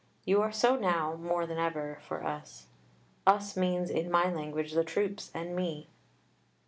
You are so now more than ever for us. "Us" means in my language the troops and me.